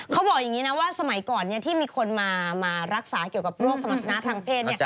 เขาบอกอย่างนี้นะว่าสมัยก่อนที่มีคนมารักษาเกี่ยวกับโรคสมรรถนะทางเพศ